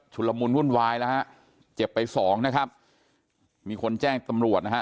ชุดละมุนวุ่นวายนะเจ็บไป๒นะครับมีคนแจ้งตำรวจนะฮะ